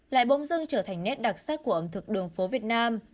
lại bỗng dưng trở thành nét đặc sắc của ẩm thực đường phố việt nam